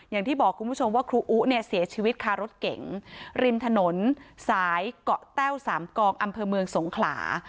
อย่างที่บอกคุณผู้ชมว่าครูอุเนี่ยเสียชีวิตคารถเก๋งริมถนนสายเกาะแต้วสามกองอำเภอเมืองสงขลา